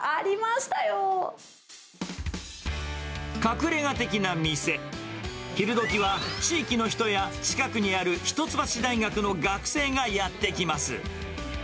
隠れが的な店、昼どきは地域の人や、近くにある一橋大学の学生がやって来ます。